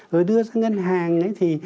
rồi đưa ra ngân hàng ấy thì